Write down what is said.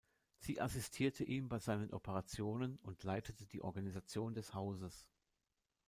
Sie assistierte ihm bei seinen Operationen und leitete die Organisation des Hauses.